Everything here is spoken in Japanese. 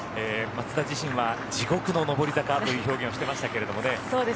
松田自身は地獄の上り坂という表現をしていましたけれどもね。